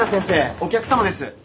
お客様です。